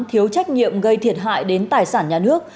thiếu trách nhiệm gây thiệt hại đến tài sản nhà nước